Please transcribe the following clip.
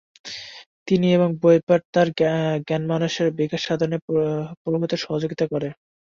তিনি এবং বইপাঠ তার জ্ঞানমানসের বিকাশসাধনে প্রভূত সহযোগিতা করে।